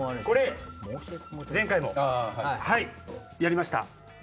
これ前回もやりました。